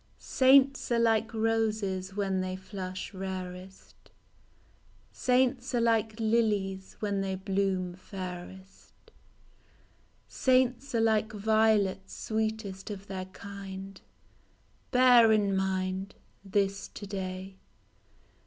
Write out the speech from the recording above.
Saints are like roses when they flush rarest, Saints are like lilies when they bloom fairest, DE PROFUNDIS. Saints are like violets sweetest of their kind, Bear in mind This to day.